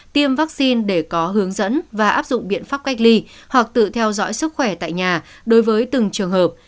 tiêm vaccine để có hướng dẫn và áp dụng biện pháp cách ly hoặc tự theo dõi sức khỏe tại nhà đối với từng trường hợp